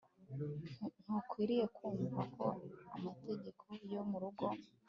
ntukwiriye kumva ko amategeko yo mu rugo